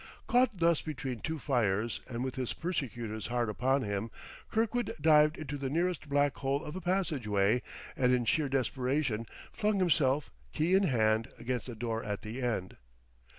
Caught thus between two fires, and with his persecutors hard upon him, Kirkwood dived into the nearest black hole of a passageway and in sheer desperation flung himself, key in hand, against the door at the end.